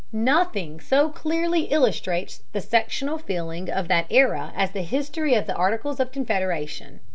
Nothing so clearly illustrates the sectional feeling of that era as the history of the Articles of Confederation.